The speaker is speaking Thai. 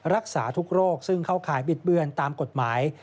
รักษาทุกโรคซึ่งเข้าข่ายบิดเบือนตามกฎหมาย